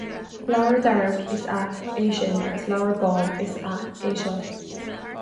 Leabhar dearg is ea é sin, agus leabhar bán is ea é seo